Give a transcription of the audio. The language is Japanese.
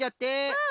うん。